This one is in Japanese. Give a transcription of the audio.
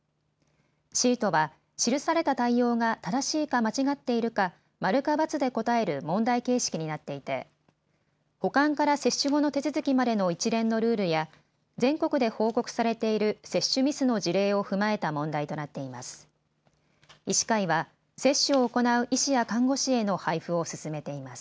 シートは記された対応が正しいか間違っているかマルかバツで答える問題形式になっていて保管から接種後の手続きまでの一連のルールや全国で報告されている接種ミスの事例を踏まえた問題となっています。